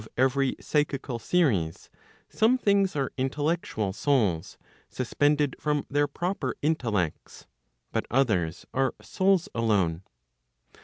every psychical series, some things are intellectual souls, suspended from their proper intellects; but others are souls alone.